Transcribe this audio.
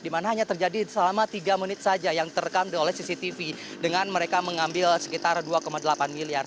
di mana hanya terjadi selama tiga menit saja yang terekam oleh cctv dengan mereka mengambil sekitar dua delapan miliar